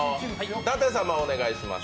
舘様、お願いします。